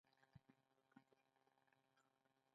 د سیلانیانو نه راتلل عواید کموي.